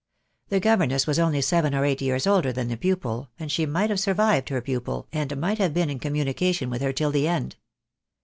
The governess was only seven or eight years older than the pupil, and she might have survived her pupil, and might have been in communica tion with her till the end.